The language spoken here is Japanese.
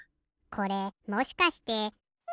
これもしかして。